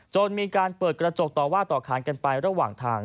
จนมีการเปิดกระจกต่อว่าต่อขานกันไประหว่างทาง